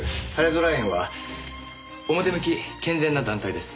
ぞら園は表向き健全な団体です。